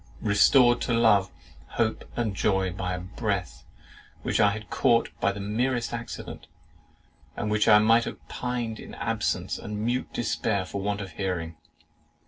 Restored to love, hope, and joy, by a breath which I had caught by the merest accident, and which I might have pined in absence and mute despair for want of hearing!